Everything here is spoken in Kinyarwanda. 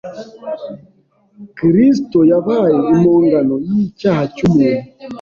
Kristo yabaye impongano y’icyaha cy’umuntu